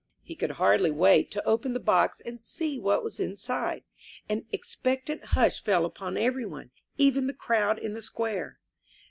He could hardly wait to open the box and see what was inside. An expectant hush fell upon every one, even the crowd in the square.